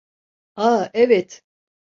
A, evet.